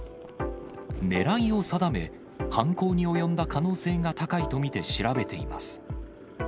ねらいを定め、犯行に及んだ可能性が高いと見て調べています。